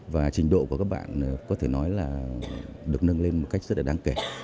và trình độ của các bạn có thể nói là được nâng lên một cách rất là đáng kể